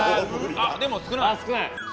あっでも少ない。